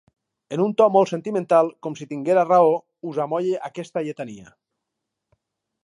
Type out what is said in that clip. En un to molt sentimental, com si tinguera raó, us amolle aquesta lletania: